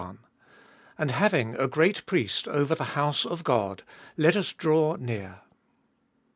And having a great Priest over the house of God ; let us draw near.